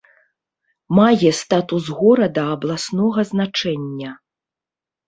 Мае статус горада абласнога значэння.